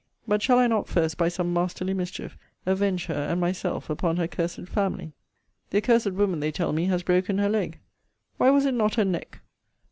But shall I not first, by some masterly mischief, avenge her and myself upon her cursed family? The accursed woman, they tell me, has broken her leg. Why was it not her neck?